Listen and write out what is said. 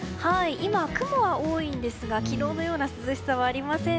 今、雲は多いんですが昨日のような涼しさはありません。